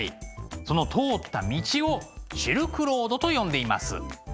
その通った道をシルクロードと呼んでいます。